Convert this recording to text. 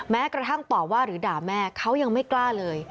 แม้กระทั่งตอบว่าหรือด่าแม่เขายังไม่กล้าเลย